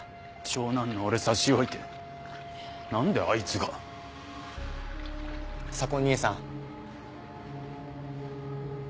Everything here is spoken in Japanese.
長男の俺差し置いて何であいつ左紺兄さん